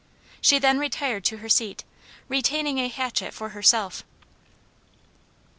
She then retired to her seat, retaining a hatchet for herself.